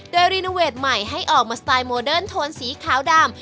โดยรีโนเวทใหม่ให้ออกมาสไตล์โมเดิร์นโทนสีขาวดำ